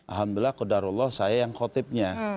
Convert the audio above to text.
alhamdulillah kudarullah saya yang kotipnya